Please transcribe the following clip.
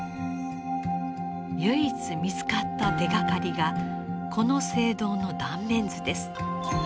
唯一見つかった手がかりがこの聖堂の断面図です。